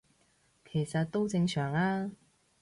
其實都正常吖